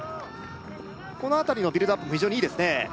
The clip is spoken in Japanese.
この辺りのビルドアップも非常にいいですね